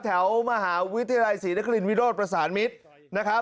แถวมหาวิทยาลัยศรีนักริณวิโรศณ์ประสานมิตร